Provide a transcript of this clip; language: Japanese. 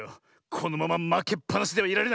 このまままけっぱなしではいられない。